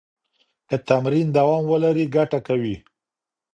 که تمرین دوام ولري، ګټه کوي.